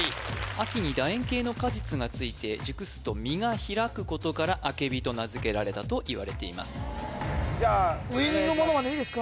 秋に楕円形の果実がついて熟すと実が開くことから通草と名付けられたといわれていますじゃあお願いします